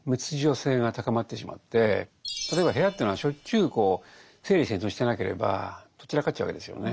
性が高まってしまって例えば部屋というのはしょっちゅう整理整頓してなければとっ散らかっちゃうわけですよね。